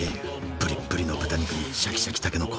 ぶりっぶりの豚肉にシャキシャキたけのこ。